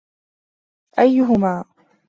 أيّهما؟